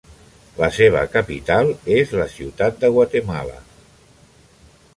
La seva capital és la Ciutat de Guatemala.